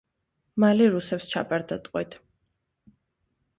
მალე რუსებს ჩაბარდა ტყვედ.